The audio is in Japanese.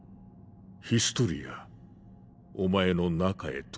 ヒストリアお前の中へとな。